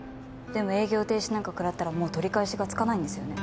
でも営業停止なんか食らったらもう取り返しがつかないんですよね？